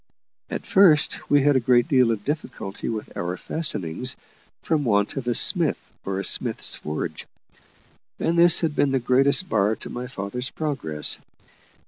At first we had a great deal of difficulty with our fastenings, from want of a smith or a smith's forge; and this had been the greatest bar to my father's progress.